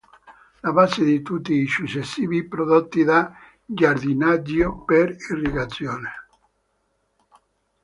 La base di tutti i successivi prodotti da giardinaggio per irrigazione.